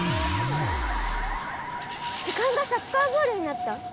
図鑑がサッカーボールになった！